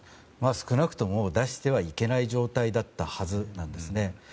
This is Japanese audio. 少なくとも出してはいけない状態だったはずです。